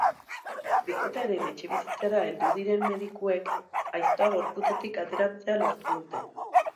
Bikotearen etxebizitzara heldu diren medikuek aiztoa gorputzetik ateratzea lortu dute.